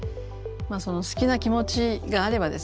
その好きな気持ちがあればですね